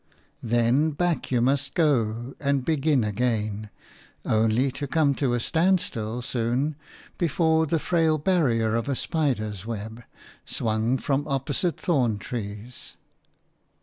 Then back you must go and begin again, only to come to a standstill soon before the frail barrier of a spider's web, swung from opposite thorn trees.